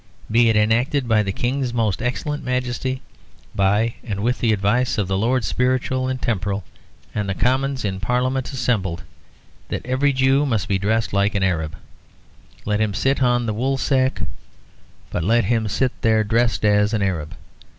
Be it enacted, by the King's Most Excellent Majesty, by and with the advice of the Lords Spiritual and Temporal and the Commons in Parliament assembled, that every Jew must be dressed like an Arab. Let him sit on the Woolsack, but let him sit there dressed as an Arab.